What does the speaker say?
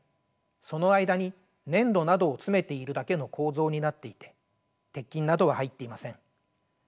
その間に粘土などを詰めているだけの構造になっていて鉄筋などは入っていません。